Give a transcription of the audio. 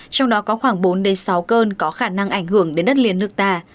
trong đó có khoảng bốn sáu cơn có khả năng ảnh hưởng đến đất liền nước ta